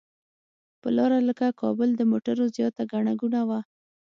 پر لاره لکه کابل د موټرو زیاته ګڼه ګوڼه وه.